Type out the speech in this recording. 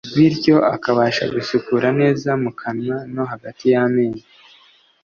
bityo akabasha gusukura neza mu kanwa no hagati y'amenyo.